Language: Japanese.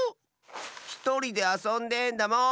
ひとりであそんでんだもん！